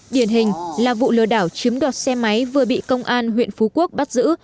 điển hình là vụ lừa đảo chiếm đoạt xe máy vừa bị công an huyện phú quốc bắt giữ